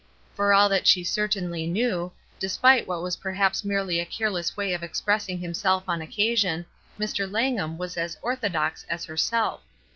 For all that she certainly knew, despite what was perhaps merely a careless way of expressing himself on occasion, Mr. Langham was as orthodox as herself.